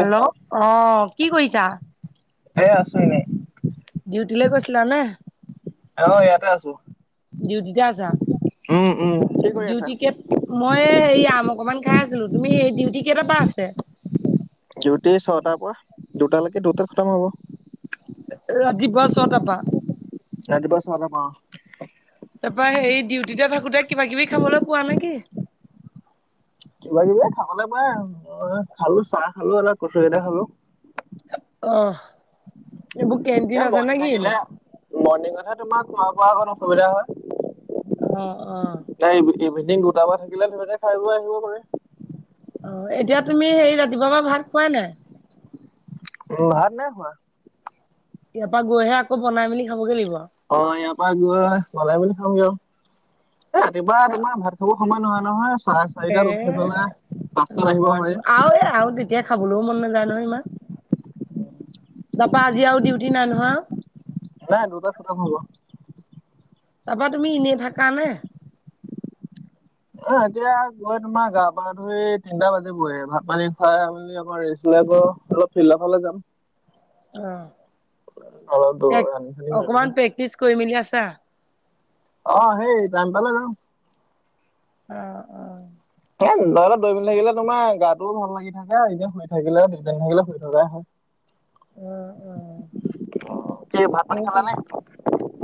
Hello অ কি কৰিছা? এ আছো এনেই ডিউটিলৈ গৈছিলা নে? অ ইয়াতে আছোঁ। ডিউটিতে আছা? উম কি কৰি আছা? ডিউটিকে মই ই আম অকমান খায় আছিলো, তুমি সেই ডউটি- কেইটাৰ পৰা আছে? ডিউটি ছটাৰ পৰ দুটালৈকে দুটাত খতম হ'ব। ৰাতিপুৱা ছটাৰ পৰা ৰাতিপুৱা [unintelligible] অ'। গোটেই কিবা কিবি খাবলৈ পোৱা নেকি? কিবা কিবি এ খাবলে পায় আৰু খালো চাহ খালোএটা কচুৰি এটা খালো অ'। এইবোৰ কেণ্টিন এ আছে নে মৰ্ণিং কিনো থাকিলে মৰ্ণিংতহে তোমাক খোৱা-বোৱা অকণ অসুবিধা হয়। অ', অ'। [unintelligible] দুটাপা থাকিলে ধুনীয়াকে খাই বৈ আহিব পাৰে। অ', এতিয়া তুমি সেই ৰাতিপুৱা পৰা ভাত খোৱাই নাই? ভাত নাই খোৱা। ইয়াৰ পৰা গৈহে আকৌ বনাই মেলি খাবগে লাগিব অ', ইয়াৰ পৰা গৈ, বনাই মেলি খামগে আৰু। এ ৰাতিপুৱা তোমাৰ ভাত খাব সময় নহয় নহয়। চাৰে এ, চাৰিটাত উঠি পেলাই পাঁচটাত আহিব হয়ে। নহয়তো আৰু এ আৰু তেতিয়া খাবলৈও মন নাযায় নহয় ইমান তাৰপৰি আজি আৰু ডিউটি নাই নহয় নাই, দুটাত খতম হব। তাৰপা তুমি এনেই থাকা নে? অ এতিয়া গৈ তোমাৰ গা পা ধুই তিনটা বাজি বৈ ভাত পানী খাই আবেলী অকমান ৰেছ আকৌ অলপ ফিলদৰ ফালে যাম অলপ দৌ অ', ৰানিং চানিং মাৰিমগে অকমান প্ৰেক্টিচ কৰি মেলি আছা? অ সেই টাইম পালে যাও অ অ এ [unintelligible] দৰি মেলি থাকিলে তোমাৰ গাটোও ভাল লাগি থাকে, এনেই শুই থাকিলে [unintelligible] থাকিলে শুই থকাই হয়। উ উ কি ভাত পানী খালা নে [unintelligible]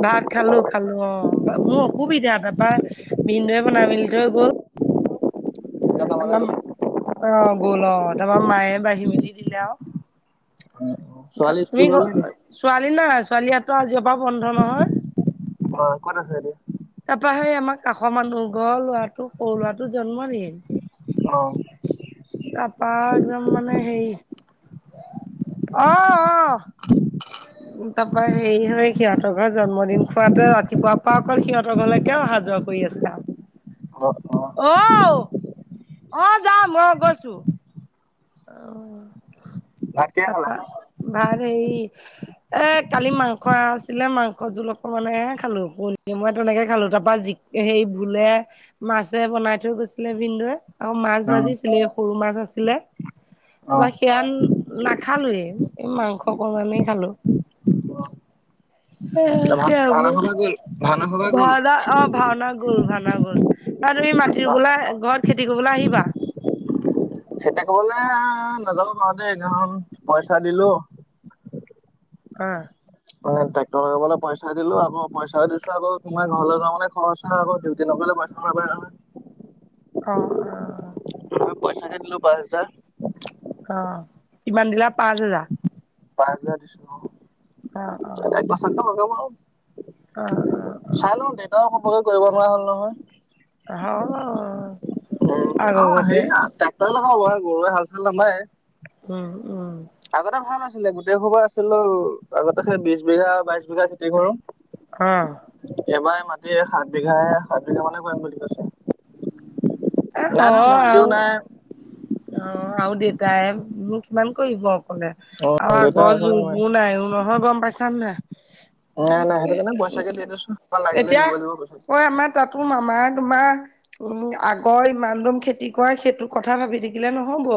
ভাত খালো, খালো অ'। মোৰ অসুবিধা তাৰপৰা, ভিনদৌৱে বনাই মেলি থৈ গ'ল। কামলে আমাৰ গ'ল অ গ'ল অ তাৰমৰা মায়ে বাঢ়ি মেলি দিলে আৰু ছোৱালী খালো, স্কুল তুমি গ'ল নেকি ছোৱালী নাই, ছোৱালীহতৰ আজিৰ পৰা বন্ধ নহয়। হয়, কত আছে এতিয়া? তাৰপৰা সেই আমাৰ কাষৰ মানুহ ঘৰ লৰাটো সৰু ল'ৰাটো জন্ম দিন অ' একদম মানে হেৰি অ', অ', তাপা হেৰি হয়, সিহঁতৰ ঘৰৰ জন্মদিন খোৱাতোয়ে ৰাতিপুৱাৰ পৰা অকল সিহঁতৰ ঘলৈকে অহা যোৱা কৰি আছে আৰু অ অ ঔ অ', যাম অ', গৈছোঁ, অ' ভাত কিহে খালা তাপা ভা হেৰি এ কালি মাংস আছিলে মাংস জোল অকমানহে খালো পনি মই তেনেকে খালো তাৰপা জি সেই ভোলে মাছে বনাই থৈ গৈছিলে ভিনদৈ আকৌ মাছ অ ভাজিছিলে সৰু মাছ আছিলে অ [unintelligible] নাখালোয়ে, এই মাংস অকমানেই খালোঁ। এ, সেৱা ভাওনা সভা গ'ল ভাওনা সভা গ'ল ভাওঁনা অ', ভাওঁনা গ'ল, ভাওঁনা গ'ল। আৰু তুমি মাটি ৰুবলৈ ঘৰত খেতি কৰিবলৈ আহিবা [unintelligible] নাযাবয়ো পাৰোঁ দেই, কাৰণ পইচা দিলোঁ। অ মানে ট্ৰেক্টয়ে বাবলৈ পইচা দিলো আকৌ পইচা দিছো আকৌ তোমাৰ ঘৰলৈ যাওঁ মানে খৰচহে হ'ব ডিউটি নগলে পইচা অ', অ'। গৈ পইচাকে দিলো পাছহাজাৰ অ', কিমান দিলা! পাঁচ হেজাৰ। পাঁছ হাজাৰ অ দিছিলো ন বছৰটো লগাব আৰু। আহ! অ', অ'। চাই লওঁ দেউতাও কৰিব নোৱাৰা হ'ল নহয়। হ' উম আগ অ [unintelligible] হেৰি তে। [unintelligible] গৰুৱে হাল চাল নামাৰে। উম উম আগতে ভাল আছিলে, গোটেইসোপা আছিলোঁ আগতে! সেই বিশ বিঘা, বাইশ বিঘা খেতি কৰোঁ। অ'। এইবাৰ মাটি সাত বিঘাহে! সাত বিঘা মানে কৰিম বুলি কৈছে। এ নাই নহয় হয় ভন্টিও আৰু নাই অ'। আৰু দেতাইনো কিমান কৰিব? ক'লে অ', আৰু দেউতাই আগৰ অকলে নোৱাৰে। যুগবোৰ নাইও নহয় গম পাইছানে নে নাই। নাই নাই সেইটো কাৰণে পইচাকে দি দিছো লাগিলে এতিয়া দিব লাগিব পইচা। কয় আমাৰ তাতো মামাৰ তোমাৰ উম, আগৰ ইমান ডোম খেতি কৰা, সেইটো কথা ভাবি থাকিলে নহ'ব।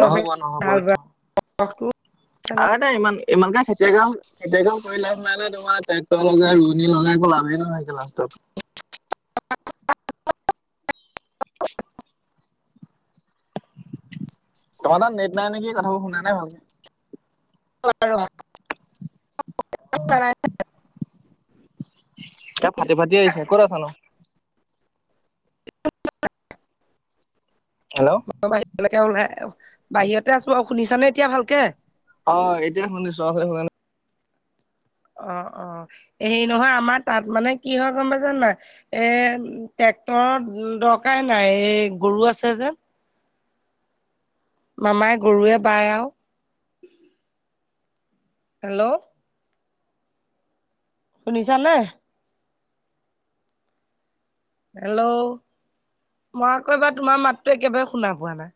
নহ'ব নহ'ব হাল বোৱা এইটো। বখটো আছে আৰু নহয় এটা ইমান ইমানকে খেতিৰ কাম খেতিয়কে কৰি লাভ নাই নহয়, তোমাৰ ট্ৰেক্টৰ লগাই ৰোৱনি লগাই একো লাভেই নহয়গে লাষ্টত। [inaudible] [inaudible] তোমাৰ তাত নেট নাই নেকি? কথাবোৰ শুনা নাই ভালকে। [unintelligible] এ ফাটি ফাটি আহিছে ক'ত আছ নো। হেল্ল' [unintelligible] বাহিৰলৈকে ওলাই [unintelligible] বাহিৰতে আছোঁ আৰু শুনিছানে এতিয়া ভালকে? অ', এতিয়াই শুনিছোঁ! অঠনী শুনা না অ, অ, হেৰি নহয় আমাৰ তাত মানে কি হয় গম পাইছানে নাই এ ট্ৰেক্টৰৰ দৰকাৰ নাই, এই গৰু আছে যে। মামাই গৰুৱে বায় আৰু। হেল্ল', শুনিছা নে নাই? হেল্ল', মই আকৌবাৰ তোমাৰ মাতটোো একেবাৰে শুনা পোৱা নাই।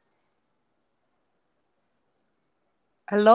হেল্ল'